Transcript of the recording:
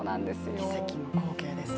奇跡の光景ですね。